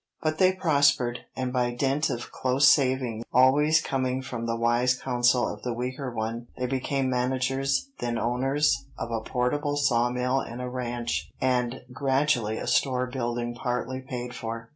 But they prospered, and by dint of close saving, always coming from the wise counsel of the weaker one, they became managers, then owners, of a portable saw mill and a ranch, and gradually a store building partly paid for.